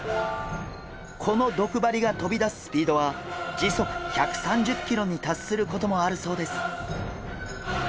この毒針が飛び出すスピードは時速１３０キロに達することもあるそうです。